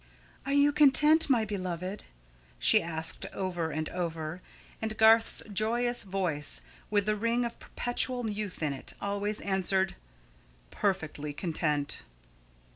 "Are you content, my beloved?" she asked over and over; and Garth's joyous voice, with the ring of perpetual youth in it, always answered: "Perfectly content."